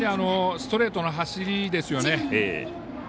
ストレートの走りですよね。